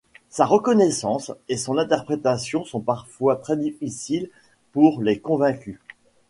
Sa reconnaissance et son interprétation sont parfois très difficiles pour les convaincus.